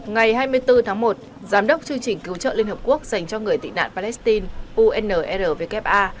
ngày hai mươi bốn tháng một giám đốc chương trình cứu trợ liên hợp quốc dành cho người tị nạn palestine unrwk